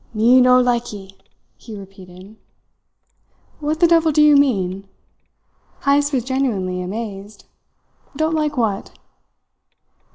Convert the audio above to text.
"Me no likee," he repeated. "What the devil do you mean?" Heyst was genuinely amazed. "Don't like what?"